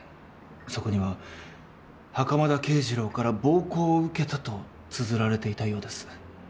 そこには袴田啓二郎から暴行を受けたとつづられていたようです。